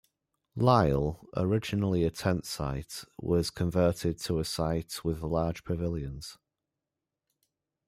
Lisle, originally a tent site, was converted to a site with large pavilions.